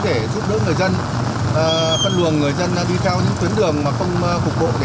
để giúp đỡ người dân phân luồng người dân đi theo những tuyến đường không cục bộ